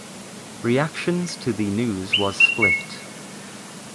Reactions to the news was split.